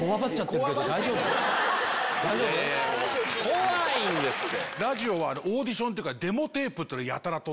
怖いんですって。